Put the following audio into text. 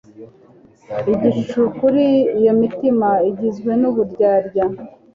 igicucu, kuri iyo mitima igizwe n'uburyarya